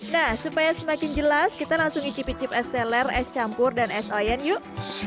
nah supaya semakin jelas kita langsung icip icip es teler es campur dan es oyen yuk